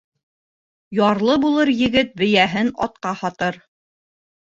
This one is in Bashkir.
Ярлы булыр егет бейәһен атҡа һатыр